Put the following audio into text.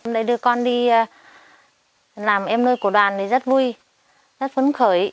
đây đưa con đi làm em nuôi của đoàn thì rất vui rất phấn khởi